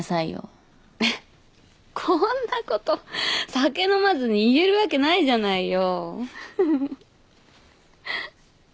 こんなこと酒飲まずに言えるわけないじゃないよ。